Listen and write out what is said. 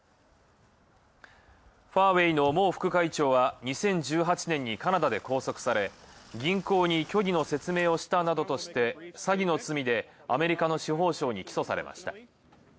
ファーウェイの孟副会長は、２０１８年にカナダで拘束され銀行に虚偽の説明をしたなどとして、詐欺の罪でアメリカの司法省に起訴されました。